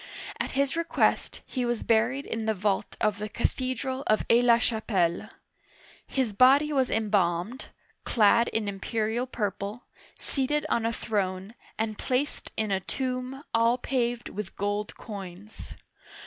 At his request, he was buried in the vault of the cathedral of Aix la Chapelle. His body was embalmed, clad in imperial purple, seated on a throne, and placed in a tomb all paved with gold coins.